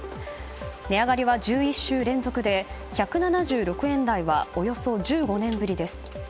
値上がりは１１週連続で１７６円台はおよそ１５年ぶりです。